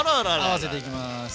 合わせていきます。